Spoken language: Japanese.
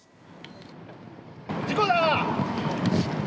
事故だ。